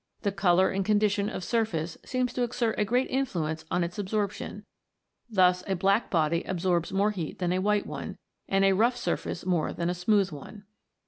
The colour and condition of surface seems to exert a great influence on its absorption ; thus a black body absorbs more heat than a white one, and a rough surface more than a smooth one.